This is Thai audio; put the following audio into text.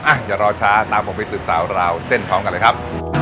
อ่ะอย่ารอช้าตามผมไปสืบสาวราวเส้นพร้อมกันเลยครับ